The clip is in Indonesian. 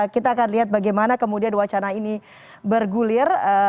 kita akan lihat bagaimana kemudian wacana ini bergulir